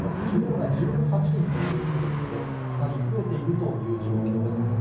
きのうが１８人ということですので、２人増えているという状況です。